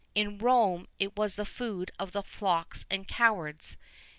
In Rome it was the food of the flocks and cowards.